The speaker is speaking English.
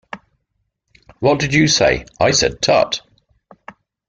What did you say? I said 'Tut!'